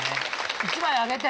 １枚あげて。